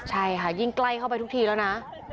ใช่ค่ะยิ่งใกล้เข้าไปทุกทีแล้วนะ